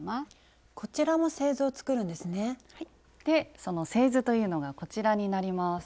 その製図というのがこちらになります。